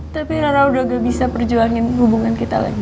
tapi nara udah gak bisa perjuangin hubungan kita lagi